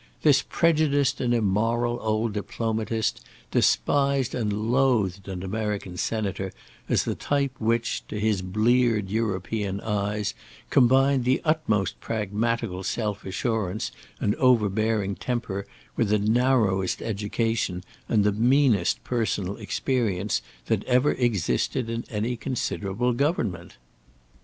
This prejudiced and immoral old diplomatist despised and loathed an American senator as the type which, to his bleared European eyes, combined the utmost pragmatical self assurance and overbearing temper with the narrowest education and the meanest personal experience that ever existed in any considerable government.